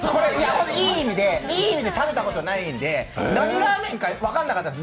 いい意味で食べたことないんで、何ラーメンか分からなかったです。